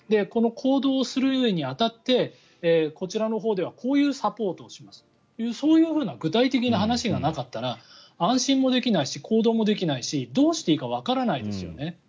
この行動をするに当たってこちらのほうではこういうサポートをしますというそういう具体的な話がなかったら安心もできないし行動もできないしどうしていいかわからないですよね。